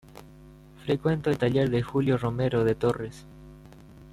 Frecuentó el taller de Julio Romero de Torres.